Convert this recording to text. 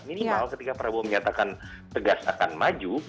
minimal ketika prabowo menyatakan tegas akan maju